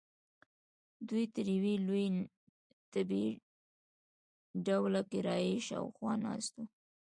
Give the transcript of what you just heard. دوی تر یوې لویې تبۍ ډوله کړایۍ شاخوا ناست وو.